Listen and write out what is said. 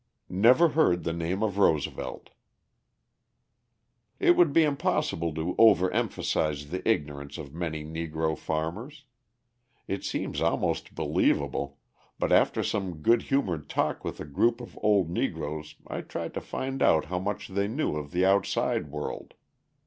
Never Heard the Name of Roosevelt It would be impossible to over emphasise the ignorance of many Negro farmers. It seems almost unbelievable, but after some good humoured talk with a group of old Negroes I tried to find out how much they knew of the outside world.